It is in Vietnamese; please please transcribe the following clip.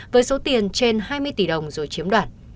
với số tiền trên hai mươi tỷ đồng rồi chiếm đoạt